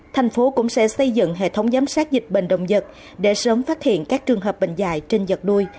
thành phố cũng sẽ xây dựng hệ thống giám sát dịch bệnh động vật để sớm phát hiện các trường hợp bệnh dại trên vật nuôi